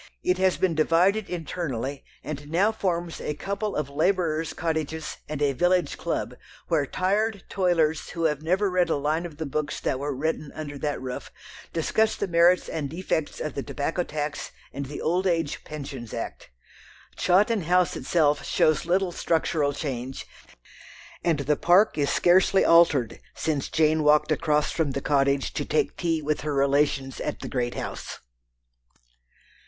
It has been divided internally, and now forms a couple of labourers' cottages and a village club, where tired toilers who have never read a line of the books that were written under that roof discuss the merits and defects of the tobacco tax and the Old Age Pensions Act. Chawton House itself shows little structural change, and the park is scarcely altered since Jane walked across from the Cottage to take tea with her relations at the great house.